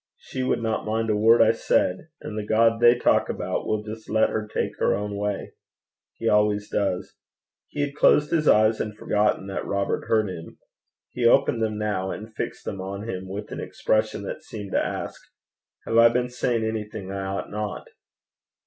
She would not mind a word I said. And the God they talk about will just let her take her own way. He always does.' He had closed his eyes and forgotten that Robert heard him. He opened them now, and fixed them on him with an expression that seemed to ask, 'Have I been saying anything I ought not?'